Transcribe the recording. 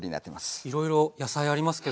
いろいろ野菜ありますけど。